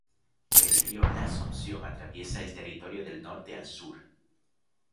El río L'Assomption atraviesa el territorio del norte al sur.